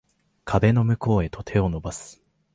壁の向こうへと手を伸ばす